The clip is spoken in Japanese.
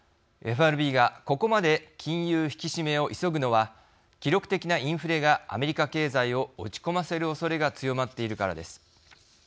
ＦＲＢが、ここまで金融引き締めを急ぐのは記録的なインフレがアメリカ経済を落ち込ませるおそれが強まっているからです。